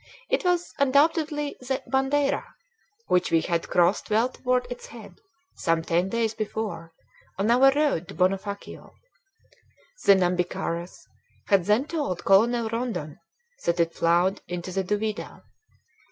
It was undoubtedly the Bandeira, which we had crossed well toward its head, some ten days before, on our road to Bonofacio. The Nhambiquaras had then told Colonel Rondon that it flowed into the Duvida.